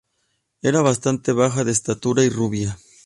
Era bastante baja de estatura y rubia.